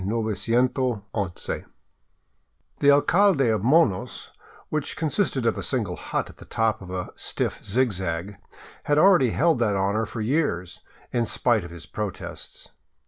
*' The alcalde of Monos, which consisted of a single hut at the top of a stiff zigzag, had already held that honor for yekrs, in spite of his protests.